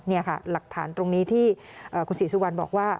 นี่ค่ะหลักฐานตรงนี้ที่คุณศรีสุวรรณบอกว่า